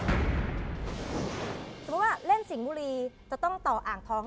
เพราะว่าเล่นสิงห์บุรีจะต้องต่ออ่างทอง